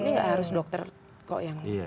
ini gak harus dokter kok yang ngerjain